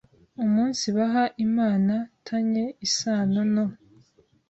umunsibaha Imana” ta n y e is a n o n o